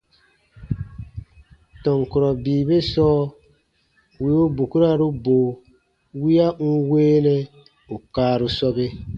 Tɔn kurɔ bii be sɔɔ wì u bukuraru bo wiya n weenɛ ù kaaru sɔbe.